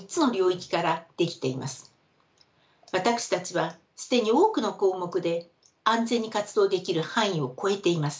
私たちは既に多くの項目で安全に活動できる範囲を超えています。